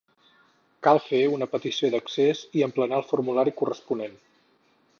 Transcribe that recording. Cal fer una petició d'accés i emplenar el formulari corresponent.